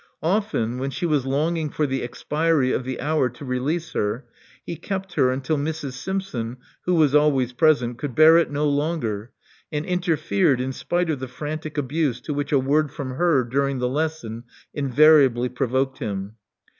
Often, when she Lging for the expiry of the hour to release her, t her until Mrs. Simpson, who was always ;, could bear it no longer, and interfered in f the frantic abuse to which a word from her the lesson invariably provoked him.